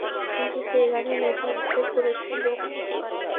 কিন্তু সে সেখানে মৃত অবস্থায় পড়ে ছিল।